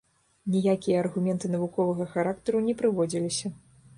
Ніякія аргументы навуковага характару не прыводзіліся.